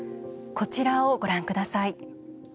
こちらをご覧ください。